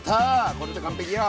これで完璧よ！